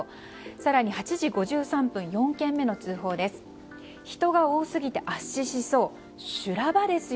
更に８時５３分４件目の通報です。